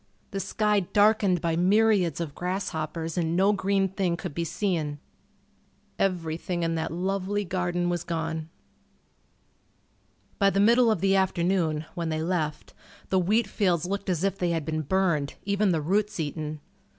The sky darkened by myriads of grasshoppers and no green thing could be seen. Everything in that lovely garden was gone. By the middle of the afternoon, when they left, the wheat fields looked as if they had been burned, even the roots eaten.